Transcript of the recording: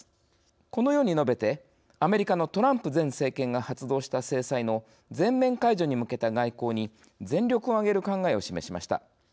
このように述べてアメリカのトランプ前政権が発動した制裁の全面解除に向けた外交に全力を挙げる考えを示しました。